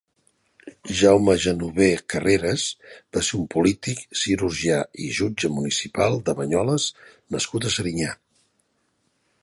Jaume Genover Carreras va ser un polític, cirurgià i jutge municipal de Banyoles nascut a Serinyà.